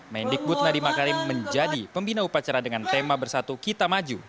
mendikbud nadiem makarim menjadi pembina upacara dengan tema bersatu kita maju